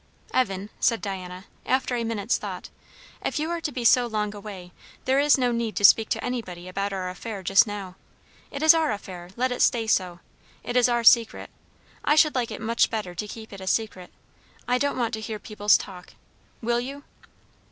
"Evan," said Diana after a minute's thought, "if you are to be so long away, there is no need to speak to anybody about our affair just now. It is our affair; let it stay so. It is our secret. I should like it much better to keep it a secret. I don't want to hear people's talk. Will you?"